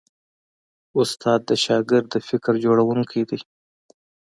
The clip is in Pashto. استاد د شاګرد د فکر جوړوونکی دی.